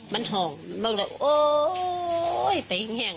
มันห้องมันก็โอ้โอ้ยไปแห้งแหง